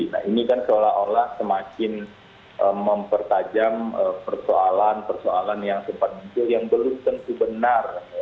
nah ini kan seolah olah semakin mempertajam persoalan persoalan yang sempat muncul yang belum tentu benar